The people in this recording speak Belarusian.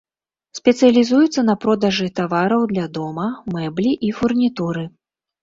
Спецыялізуецца на продажы тавараў для дома, мэблі і фурнітуры.